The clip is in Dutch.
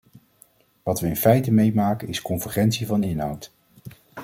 Wat we in feite meemaken is convergentie van inhoud.